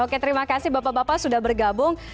oke terima kasih bapak bapak sudah bergabung